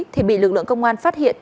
thì bị lực lượng công an phát hiện